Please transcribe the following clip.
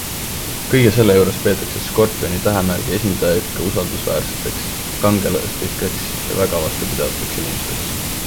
Kõige selle juures peetakse Skorpioni tähemärgi esindajaid ka usaldusväärseteks, kangelaslikeks ja väga vastupidavateks inimesteks.